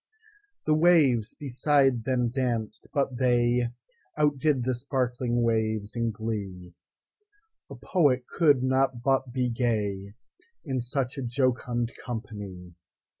The waves beside them danced, but theyOutdid the sparkling waves in glee:—A poet could not but be gayIn such a jocund company!